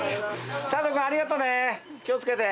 サトウ君、ありがとうね。